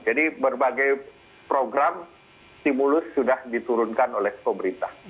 jadi berbagai program stimulus sudah diturunkan oleh pemerintah